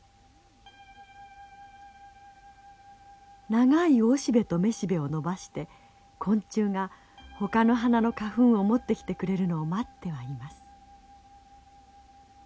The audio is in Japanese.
長いオシベとメシベを伸ばして昆虫がほかの花の花粉を持ってきてくれるのを待ってはいます。